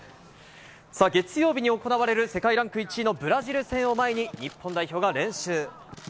月曜日に行われる世界ランク１位のブラジル戦を前に、日本代表が練習。